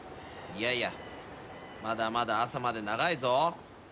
いやいやまだまだ朝まで長いぞ。